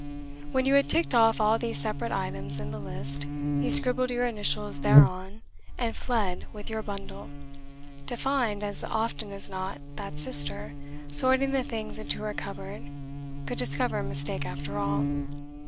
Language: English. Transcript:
When you had ticked off all these separate items in the list you scribbled your initials thereon and fled with your bundle to find, as often as not, that Sister, sorting the things into her cupboard, could discover a mistake after all.